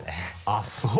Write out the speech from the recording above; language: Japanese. あっそう。